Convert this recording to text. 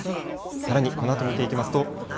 さらにこのあと見ていきますと。